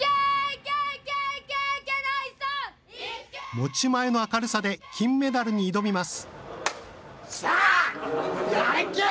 持ち前の明るさで金メダルに挑みます。